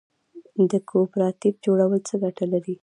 د کوپراتیف جوړول څه ګټه لري؟